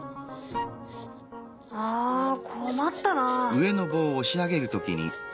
ああ困ったな。